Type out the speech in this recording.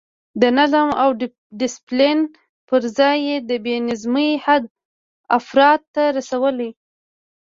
د نظم او ډسپلین پر ځای یې د بې نظمۍ حد افراط ته رسولی.